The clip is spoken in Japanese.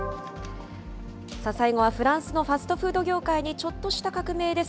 最後はフランスのファストフード業界にちょっとした革命です。